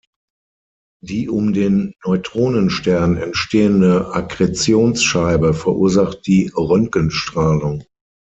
Die um den Neutronenstern entstehende Akkretionsscheibe verursacht die Röntgenstrahlung.